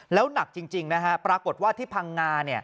แล้วหนักจริงนะฮะปรากฏว่าที่พังงา